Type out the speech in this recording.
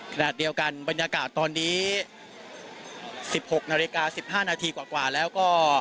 ขณะเดียวกันบรรยากาศตอนนี้๑๖นาฬิกา๑๕นาทีกว่าแล้วก็